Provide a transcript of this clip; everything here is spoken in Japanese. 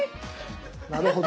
なるほど。